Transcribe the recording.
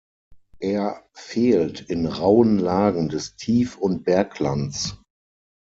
Er fehlt in rauen Lagen des Tief- und Berglands.